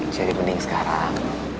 jadi mending sekarang